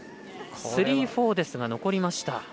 スリー、フォーですが残りました。